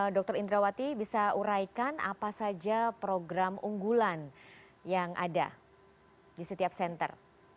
dr indrawati bisa uraikan apa saja program unggulan yang ada di setiap center